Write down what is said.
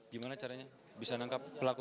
gimana caranya bisa menangkap pelaku